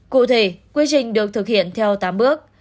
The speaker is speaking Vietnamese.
cụ thể quy trình được thực hiện theo tám bước